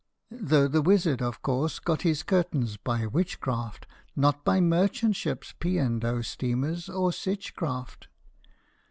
Though the wizard of course got his curtains by witchcraft, Not by merchant ships, P. and O. steamers, or sick craft.